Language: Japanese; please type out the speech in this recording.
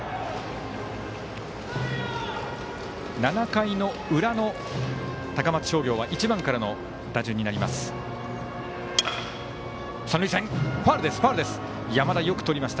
７回の裏の高松商業は１番からの打順になります。